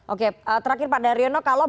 oke terakhir pak daryono kalau